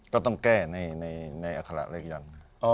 ก็ต้องแก้ในอัคระเลขยันต์